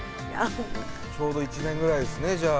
ちょうど１年ぐらいですねじゃあ。